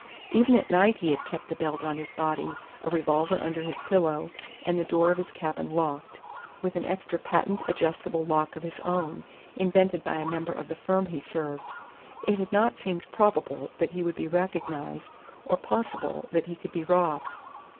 Even at night he had kept the belt on his body, a revolver under his pillow, and the door of his cabin locked, with an extra patent adjustable lock of his own, invented by a member of the firm he served. It had not seemed probable that he would be recognized, or possible that he could be robbed.